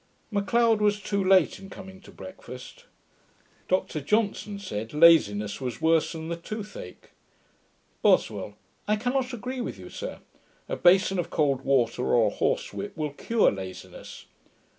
M'Leod was too late in coming to breakfast. Dr Johnson said, laziness was worse than the toothache. BOSWELL. 'I cannot agree with you, sir; a bason of cold water, or a horse whip, will cure laziness.'